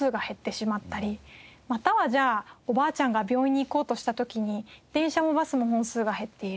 またはじゃあおばあちゃんが病院に行こうとした時に電車もバスも本数が減っている。